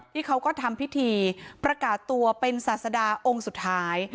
ที่เขาก็ทำพิธีประกาศตัวเป็นศาสดาองค์สุดท้าย